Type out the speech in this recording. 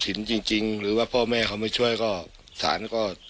ตอนแรกคือเราเล็กไป๗ล้าน